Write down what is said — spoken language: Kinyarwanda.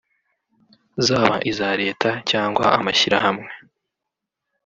zaba iza Leta cyangwa amashyirahamwe